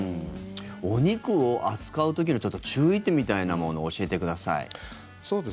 お肉を扱う時の注意点みたいなものを教えてください。